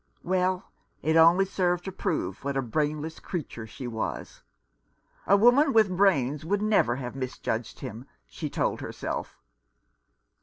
Well, it only served to prove what a brainless creature she was. "A woman with brains would never have mis judged him," she told herself.